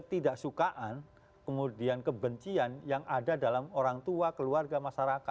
ketidaksukaan kemudian kebencian yang ada dalam orang tua keluarga masyarakat